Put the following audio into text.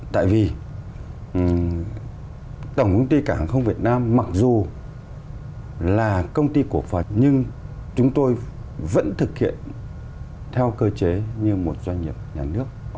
tại vì tổng công ty cảng hàng không việt nam mặc dù là công ty cổ phật nhưng chúng tôi vẫn thực hiện theo cơ chế như một doanh nghiệp nhà nước